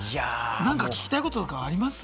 聞きたいことなんかあります？